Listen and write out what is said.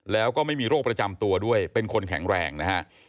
แล้วก็ไม่มีโรคประจำตัวด้วยเป็นคนแข็งแรงนะฮะ